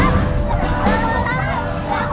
เสื้อคนละท่ำ